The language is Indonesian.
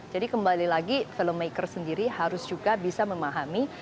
jadi kembali lagi film maker sendiri harus juga bisa memahami